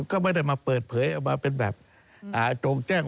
ก็ไม่ได้มาเปิดเผยออกมาเป็นแบบโจงแจ้ง